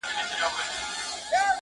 • او یو موټی کولو لپاره -